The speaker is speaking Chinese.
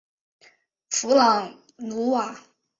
弗朗努瓦。